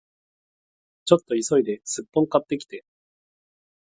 ちょっと急いでスッポン買ってきて